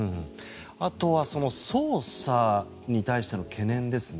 あとは捜査に対しての懸念ですね。